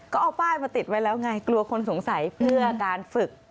ก็เอาป้ายมาติดไว้แล้วไงกลัวคนสงสัยเพื่อการฝึก